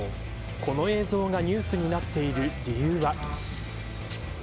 この映像がニュースになっている理由は。